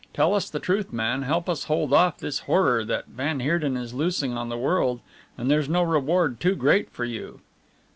Tell us the truth, man, help us hold off this horror that van Heerden is loosing on the world and there's no reward too great for you."